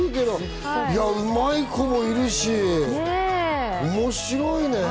うまい子もいるし、面白いね。